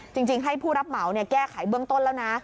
จริงให้ผู้รับเหมาแก้ไขเบื้องต้นแล้วนะ